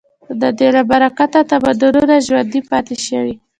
د دې له برکته تمدنونه ژوندي پاتې شوي.